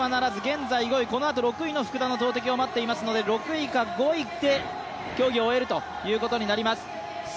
現在５位、このあと福田の投てきを待っていますので６位か５位で競技を終えることになります。